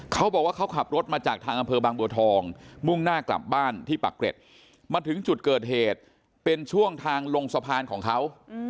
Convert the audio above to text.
เขาบอกว่าเขาขับรถมาจากทางอำเภอบางบัวทองมุ่งหน้ากลับบ้านที่ปักเกร็ดมาถึงจุดเกิดเหตุเป็นช่วงทางลงสะพานของเขา